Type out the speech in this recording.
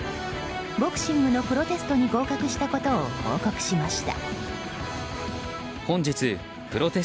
ボクシングのプロテストに合格したことを報告しました。